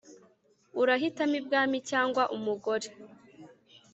urahitamo ibwami cg umugore